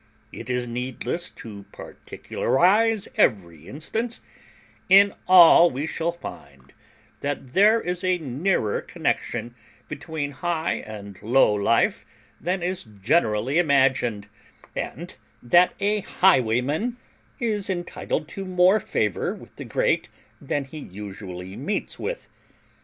It is needless to particularize every instance; in all we shall find that there is a nearer connexion between high and low life than is generally imagined, and that a highwayman is entitled to more favour with the great than he usually meets with.